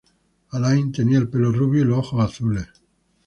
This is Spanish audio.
Alain tenía el pelo rubio y los ojos azules.